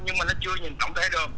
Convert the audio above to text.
nhưng mà nó chưa nhìn tổng thể được